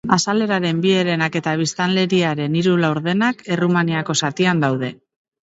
Azaleraren bi herenak eta biztanleriaren hiru laurdenak, Errumaniako zatian daude.